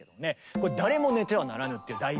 これ「誰も寝てはならぬ」という題名